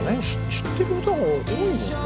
知ってる歌が多いもんね。